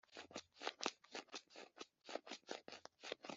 Cyatanzwe na minisitiri ufite uburobyi mu